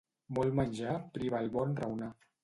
Molt menjar priva el bon raonar.